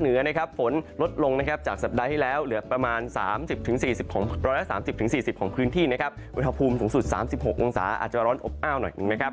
เหนือนะครับฝนลดลงนะครับจากสัปดาห์ที่แล้วเหลือประมาณ๓๐๔๐๑๓๐๔๐ของพื้นที่นะครับอุณหภูมิสูงสุด๓๖องศาอาจจะร้อนอบอ้าวหน่อยหนึ่งนะครับ